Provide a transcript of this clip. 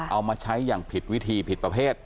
เอามาใช้อย่างผิดวิธีผิดประเภท